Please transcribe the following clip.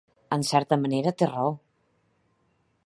En certa manera, té raó.